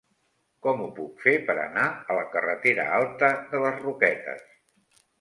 Com ho puc fer per anar a la carretera Alta de les Roquetes?